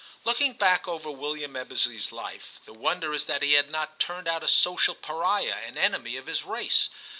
Looking back over William Ebbesley's life, the wonder is that he had not turned out a social pariah and enemy of his race.